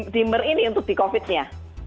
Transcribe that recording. dimer ini untuk di covid nya